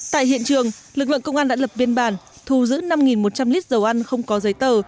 tại hiện trường lực lượng công an đã lập biên bản thu giữ năm một trăm linh lít dầu ăn không có giấy tờ